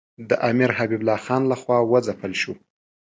د امیر حبیب الله خان له خوا وځپل شو.